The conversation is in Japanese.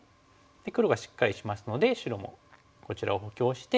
黒がしっかりしますので白もこちらを補強して。